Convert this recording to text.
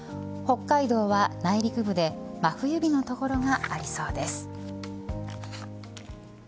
北海道は内陸部で真冬日の所がありそうです。